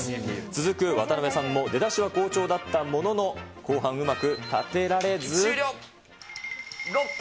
続く渡辺さんも出だしは好調だったものの、後半うまく立てられず。